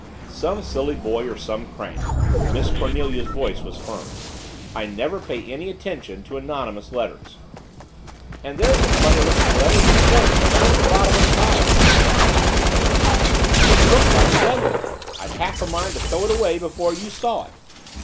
"Some silly boy or some crank." Miss Cornelia's voice was firm. "I never pay any attention to anonymous letters." "And there's a funny lookin' letter this mornin', down at the bottom of the pile " persisted Lizzie. "It looked like the other one. I'd half a mind to throw it away before you saw it!"